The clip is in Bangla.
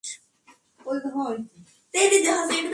মৃত মেয়ের ভিডিও মানুষ কিভাবে উপভোগ করছে দেখেছিস?